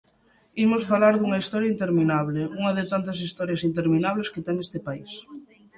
Imos falar dunha historia interminable; unha de tantas historias interminables que ten este país.